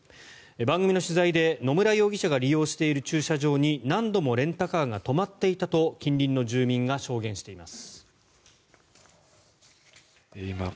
番組の取材で野村容疑者が利用している駐車場に何度もレンタカーが止まっていたと近隣の住民が証言しています。